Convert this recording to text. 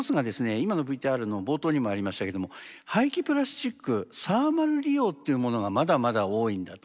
今のＶＴＲの冒頭にもありましたけども廃棄プラスチックサーマル利用っていうものがまだまだ多いんだと。